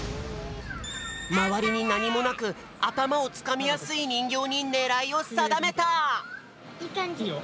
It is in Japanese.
まわりになにもなくあたまをつかみやすいにんぎょうにねらいをさだめた！